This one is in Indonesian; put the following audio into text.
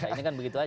ini kan begitu saja